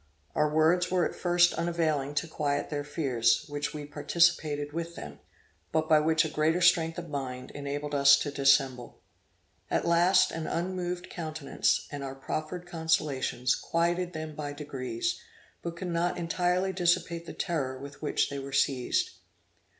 Our words were at first unavailing to quiet their fears, which we participated with them, but which a greater strength of mind enabled us to dissemble. At last an unmoved countenance, and our proffered consolations, quieted them by degrees, but could not entirely dissipate the terror with which they were seized.